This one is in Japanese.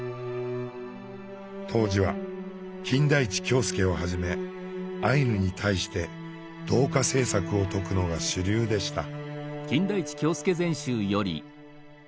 当時は金田一京助をはじめアイヌに対して「同化政策」を説くのが主流でした。